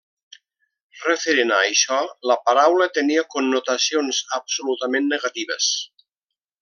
Referent a això, la paraula tenia connotacions absolutament negatives.